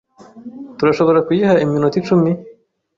Turashobora kuyiha iminota icumi?